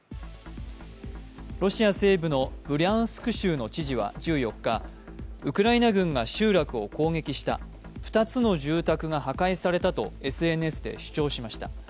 ロシア西部のブリャンスク州の知事は１４日ウクライナ軍が集落を攻撃した、２つの住宅が破壊されたとＳＮＳで主張しました。